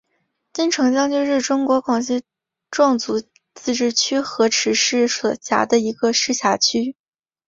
金城江区是中国广西壮族自治区河池市所辖的一个市辖区。